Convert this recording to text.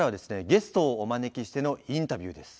ゲストをお招きしてのインタビューです。